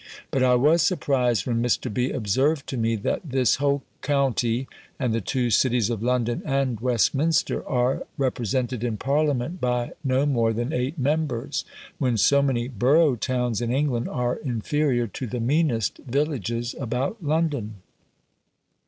But I was surprised, when Mr. B. observed to me, that this whole county, and the two cities of London and Westminster, are represented in parliament by no more than eight members, when so many borough towns in England are inferior to the meanest villages about London.